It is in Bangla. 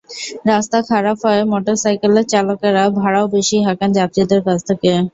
রাস্তা খারাপ হওয়ায় মোটরসাইকেলের চালকেরা ভাড়াও বেশি হাঁকেন যাত্রীদের কাছ থেকে।